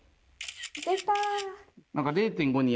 出た！